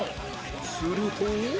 すると